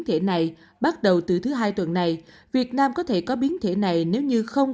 thể này bắt đầu từ thứ hai tuần này việt nam có thể có biến thể này nếu như không